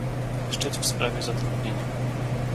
Szczyt w sprawie zatrudnienia